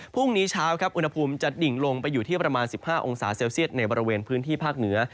พรุ่งนี้เช้าครับอุณหภูมิจะดิ่งลงไปอยู่ที่ประมาณ๑๕องศาเซลเซียตในบริเวณพื้นที่ภาคเหนือ